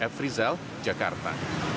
f rizal jakarta